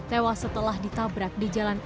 tewas setelah ditabrak di jalan